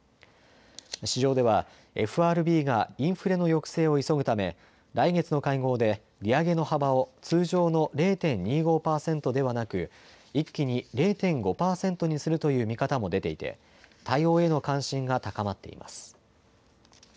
市場ではＦＲＢがインフレの抑制を急ぐため来月の会合で利上げの幅を通常の０．２５％ではなく一気に０．５％にするという見方も出ていて、対応への関心が高まっています。